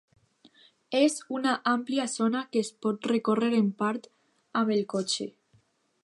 És una àmplia zona que es pot recórrer en part amb el cotxe.